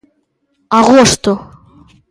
Agosto.